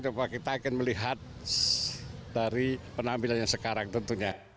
coba kita akan melihat dari penampilannya sekarang tentunya